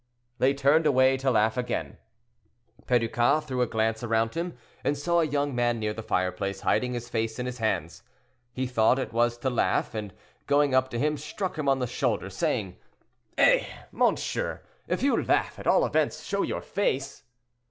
They turned away to laugh again. Perducas threw a glance around him, and saw a young man near the fireplace hiding his face in his hands. He thought it was to laugh, and, going up to him, struck him on the shoulder, saying— "Eh! monsieur, if you laugh, at all events show your face."